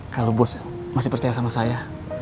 kalau bos masih percaya sama saya